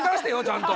ちゃんと。